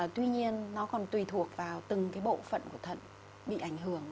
tuy nhiên nó còn tùy thuộc vào từng cái bộ phận của thận bị ảnh hưởng